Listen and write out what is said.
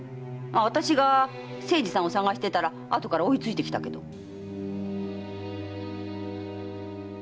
あたしが清次さんを捜してたらあとから追いついてきたけど。